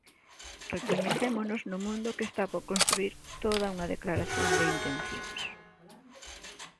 Recoñecémonos no mundo que está por construír Toda unha declaración de intencións.